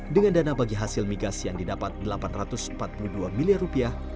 dengan dana bagi hasil migas yang didapat delapan ratus empat puluh dua miliar rupiah